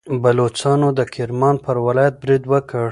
بلوڅانو د کرمان پر ولایت برید وکړ.